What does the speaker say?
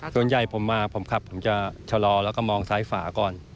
ส่วนใหญ่ผมมาผมขับผมจะชะลอแล้วก็มองซ้ายฝาก่อน